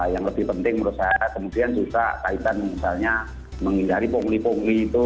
yang lebih penting menurut saya kemudian juga kaitan misalnya menghindari pungli pungli itu